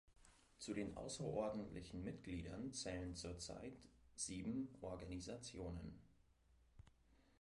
Zu den außerordentlichen Mitgliedern zählen zurzeit sieben Organisationen.